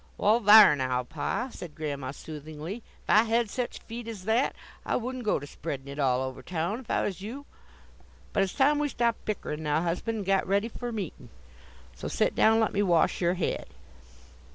"Wall, thar', now, pa," said Grandma, soothingly; "if I had sech feet as that, I wouldn't go to spreadin' it all over town, if I was you but it's time we stopped bickerin' now, husband, and got ready for meetin'; so set down and let me wash yer head."